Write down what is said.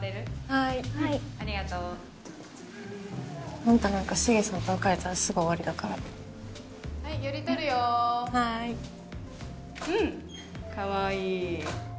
はーいありがとうあんたなんかしげさんと別れたらすぐ終わりだからはい寄り撮るよはーいうんかわいい